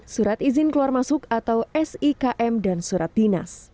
surat izin keluar masuk atau sikm dan surat dinas